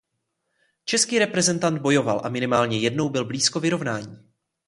Český reprezentant bojoval a minimálně jednou byl blízko vyrovnání.